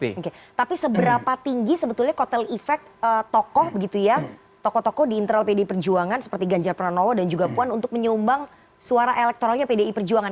oke tapi seberapa tinggi sebetulnya kotel efek tokoh begitu ya tokoh tokoh di internal pdi perjuangan seperti ganjar pranowo dan juga puan untuk menyumbang suara elektoralnya pdi perjuangan